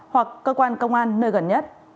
sáu trăm sáu mươi bảy hoặc cơ quan công an nơi gần nhất